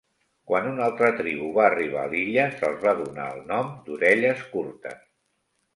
Quan una altra tribu va arribar a l'illa, se'ls va donar el nom d'"orelles curtes".